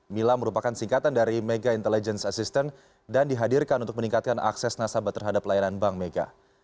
mila merupakan singkatan dari mega intelligence assistant dan dihadirkan untuk meningkatkan akses nasabah terhadap layanan bank mega